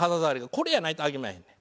これやないとあきまへんねん。